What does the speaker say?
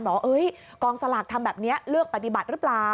บอกว่ากองสลากทำแบบนี้เลือกปฏิบัติหรือเปล่า